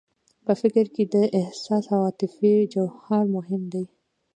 په فکر کې د احساس او عاطفې جوهر مهم دی.